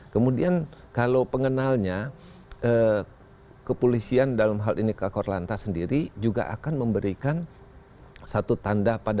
kemudian kalau pengenalnya kepolisian dalam hal ini kak korlanta sendiri juga akan memberikan satu tanda pada